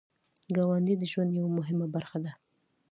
ګاونډی د ژوند یو مهم برخه ده